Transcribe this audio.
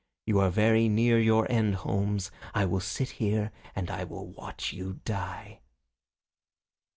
You are very near your end, Holmes. I will sit here and I will watch you die."